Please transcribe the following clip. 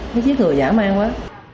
nó giết người giả man quá